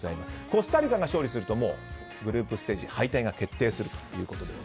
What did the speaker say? コスタリカが勝利するとグループステージ敗退が決定するということです。